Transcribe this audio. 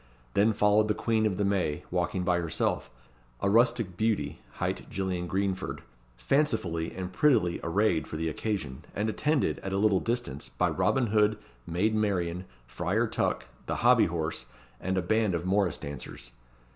Then followed the Queen of the May, walking by herself, a rustic beauty, hight Gillian Greenford, fancifully and prettily arrayed for the occasion, and attended, at a little distance, by Robin Hood, Maid Marian, Friar Tuck, the Hobby horse, and a band of morrice dancers.